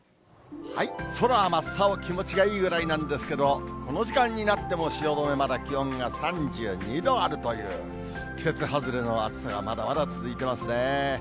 空は真っ青、気持ちがいいぐらいなんですけど、この時間になっても汐留、まだ気温が３２度あるという、季節外れの暑さがまだまだ続いてますね。